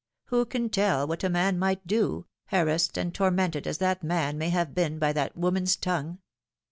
Who can tell what a man might do, harassed and tormented as that man may have been by that woman's tongue